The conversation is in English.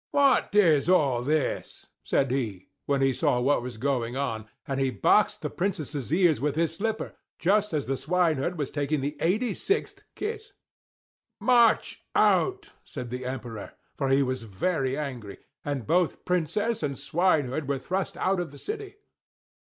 "What is all this?" said he, when he saw what was going on, and he boxed the Princess's ears with his slipper, just as the swineherd was taking the eighty sixth kiss. "March out!" said the Emperor, for he was very angry; and both Princess and swineherd were thrust out of the city.